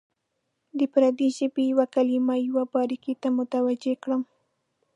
د پردۍ ژبې یوې کلمې یوې باریکۍ ته متوجه کړم.